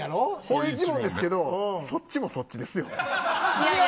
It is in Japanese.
ほい一門ですけどそっちもそっちですよ。